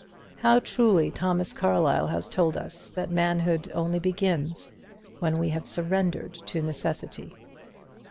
How truly Thomas Carlyle has told us that Manhood only begins when we have surrendered to Necessity!